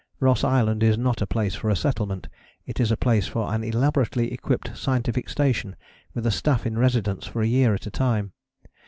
Ross Island is not a place for a settlement: it is a place for an elaborately equipped scientific station, with a staff in residence for a year at a time.